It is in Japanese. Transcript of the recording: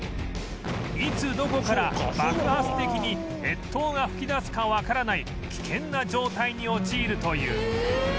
いつどこから爆発的に熱湯が噴き出すかわからない危険な状態に陥るという